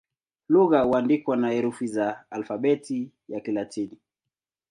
Lugha huandikwa na herufi za Alfabeti ya Kilatini.